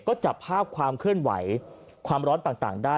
ก็จับภาพความเคลื่อนไหวความร้อนต่างได้